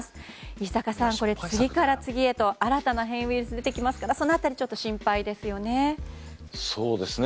石坂さん、次から次へと新たな変異ウイルスが出てきますからその辺りちょっと心配ですよね。